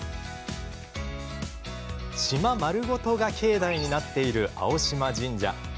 島丸ごとが境内になっている青島神社です。